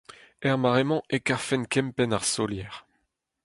Er mare-mañ e karfen kempenn ar solier.